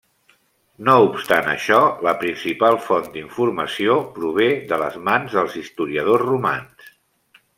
No obstant això, la principal font d'informació prové de les mans dels historiadors romans.